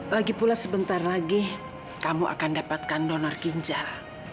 lagi pula sebentar lagi kamu akan dapatkan donor ginjal